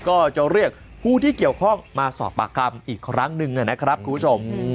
ก็จะเรียกผู้ที่เกี่ยวข้องมาสอบปากคำอีกครั้งหนึ่งนะครับคุณผู้ชม